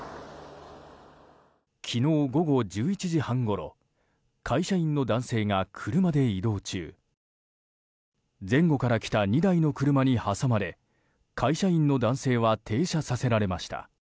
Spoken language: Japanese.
昨日午後１１時半ごろ会社員の男性が車で移動中前後から来た２台の車に挟まれ会社員の男性は停車させられました。